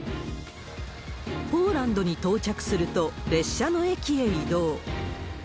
ポーランドに到着すると、列車の駅へ移動。